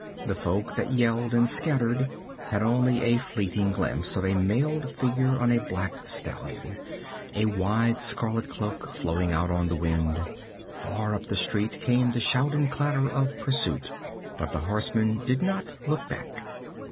The folk that yelled and scattered had only a fleeting glimpse of a mailed figure on a black stallion, a wide scarlet cloak flowing out on the wind. Far up the street came the shout and clatter of pursuit, but the horseman did not look back.